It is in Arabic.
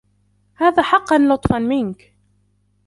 هذا حقاً لطفاً منك.